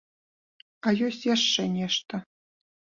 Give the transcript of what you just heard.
А ёсць яшчэ нешта.